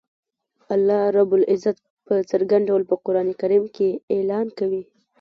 الله رب العزت په څرګند ډول په قران کریم کی اعلان کوی